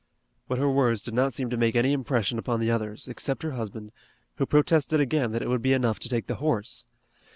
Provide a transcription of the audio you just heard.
But her words did not seem to make any impression upon the others, except her husband, who protested again that it would be enough to take the horse.